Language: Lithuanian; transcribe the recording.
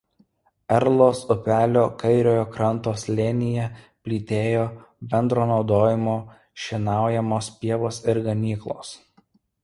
Erlos upelio kairiojo kranto slėnyje plytėjo bendro naudojimo šienaujamos pievos ir ganyklos.